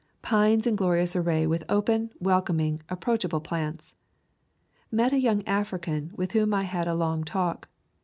Pines in glorious array with open, welcoming, approach able plants. Met a young African with whom I had a long talk.